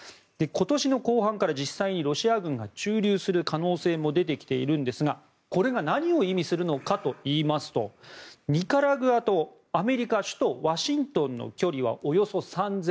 今年の後半から実際にロシア軍が駐留する可能性も出てきているんですが、これが何を意味するかといいますとニカラグアとアメリカ首都ワシントンの距離はおよそ３０００ｋｍです。